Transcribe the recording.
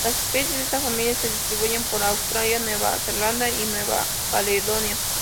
Las especies de esta familia se distribuyen por Australia, Nueva Zelanda y Nueva Caledonia.